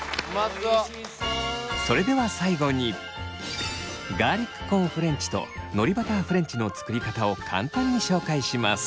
それでは最後にガーリックコーンフレンチとのりバターフレンチの作り方を簡単に紹介します。